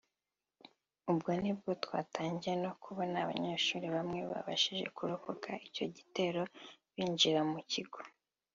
ubwo nibwo twatangiye no kubona abanyeshuli bamwe babashije kurokoka icyo gitero binjira mu kigo